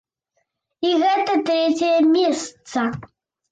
І гэта трэцяе месца.